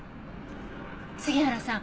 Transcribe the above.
杉原さん